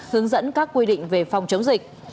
hướng dẫn các quy định về phòng chống dịch